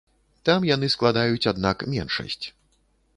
Там яны складаюць, аднак, меншасць.